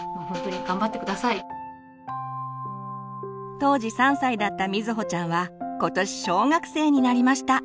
当時３歳だった瑞穂ちゃんは今年小学生になりました！